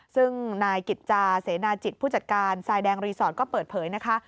ซึ่งนายกิจจาเสนาจิตผู้จัดการทรายแดงรีสอร์ทก็เปิดเผยนะคะ